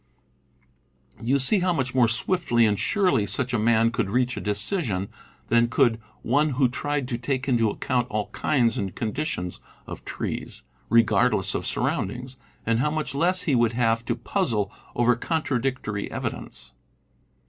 You see how much more swiftly and surely such a man could reach a decision than could one who tried to take into account all kinds and conditions of trees, regardless of surroundings, and how much less he would have to puzzle over contradictory evidence.